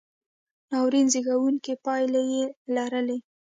ناورین زېږوونکې پایلې یې لرلې.